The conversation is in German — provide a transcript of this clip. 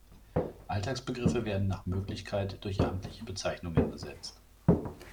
Alltagsbegriffe werden nach Möglichkeit durch amtliche Bezeichnungen ersetzt.